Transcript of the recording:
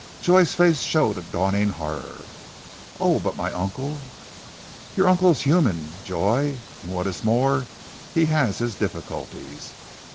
Joy's face showed a dawning horror. "Oh, but my uncle " "Your uncle is human, Joy, and what is more he has his difficulties.